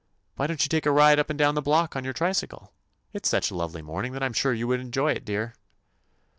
Why don't you take a ride up and down the block on your tricycle? It is such a lovely morning that I am sure you would enjoy it, dear.